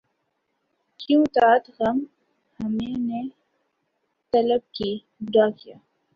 کیوں دادِ غم ہمیں نے طلب کی، بُرا کیا